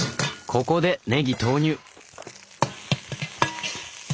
ここでねぎ投入！